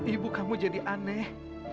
ibu kamu jadi aneh